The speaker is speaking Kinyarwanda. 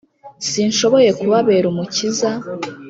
«Sinshoboye kubabera umukiza,